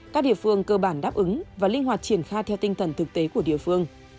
các địa phương cơ bản đáp ứng và linh hoạt triển khai theo tinh thần thực tế của địa phương